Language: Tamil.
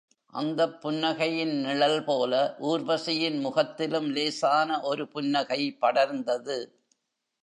அந்தப் புன்னகையின் நிழல்போல ஊர்வசியின் முகத்திலும் லேசான ஒரு புன்னகை படர்ந்தது.